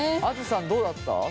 あづさんどうだった？